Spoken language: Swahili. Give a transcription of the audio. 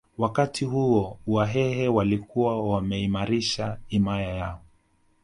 Wakati huo Wahehe walikuwa wameimarisha himaya yao